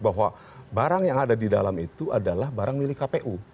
bahwa barang yang ada di dalam itu adalah barang milik kpu